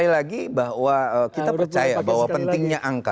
sekali lagi bahwa kita percaya bahwa pentingnya angka